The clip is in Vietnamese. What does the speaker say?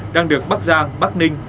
đang được bắc giang bắc ninh